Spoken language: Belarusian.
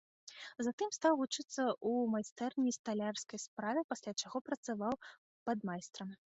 Затым стаў вучыцца ў майстэрні сталярскай справе, пасля чаго працаваў падмайстрам.